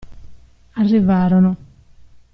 Arrivarono.